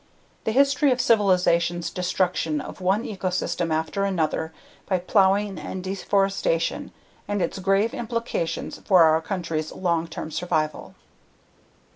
The history of civilization's destruction of one ecosystem after another by plowing and deforestation, and its grave implications for our country's long term survival.